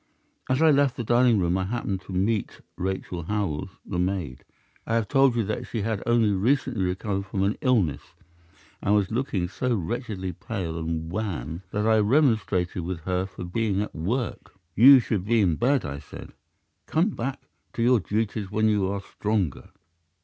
As I left the dining room I happened to meet Rachel Howells, the maid. I have told you that she had only recently recovered from an illness, and was looking so wretchedly pale and wan that I remonstrated with her for being at work. "'"You should be in bed," I said. "Come back to your duties when you are stronger."